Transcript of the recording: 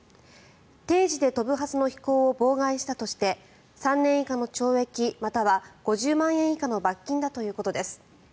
定時で飛ぶはずの飛行を妨害したとして３年以下の懲役または５０万円以下の罰金だということです。